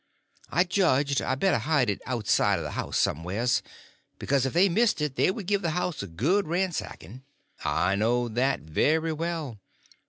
I judged I better hide it outside of the house somewheres, because if they missed it they would give the house a good ransacking: I knowed that very well.